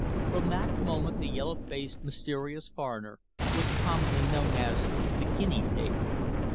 From that moment the yellow faced mysterious foreigner was commonly known as "the Guinea Pig."